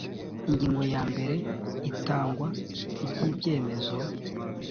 ingingo yambere itangwa ry icyemezo